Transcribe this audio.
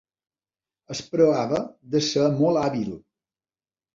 Es preava d'ésser molt hàbil.